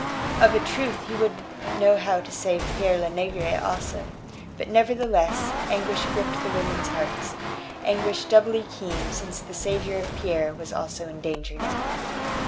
Of a truth he would know how to save Pere Lenegre also. But, nevertheless, anguish gripped the women's hearts; anguish doubly keen since the saviour of Pierre was also in danger now.